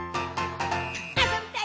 「あそびたい！